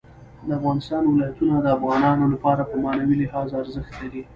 د افغانستان ولايتونه د افغانانو لپاره په معنوي لحاظ ارزښت لري.